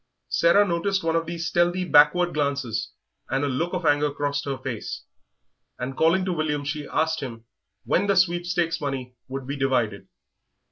Sarah noticed one of these stealthy backward glances and a look of anger crossed her face, and calling to William she asked him when the sweepstakes money would be divided.